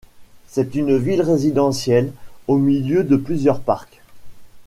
C'est une ville résidentielle au milieu de plusieurs parcs.